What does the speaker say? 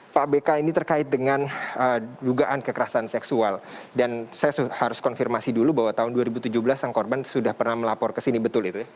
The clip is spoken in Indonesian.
pak bk ini terkait dengan dugaan kekerasan seksual dan saya harus konfirmasi dulu bahwa tahun dua ribu tujuh belas sang korban sudah pernah melapor ke sini betul itu ya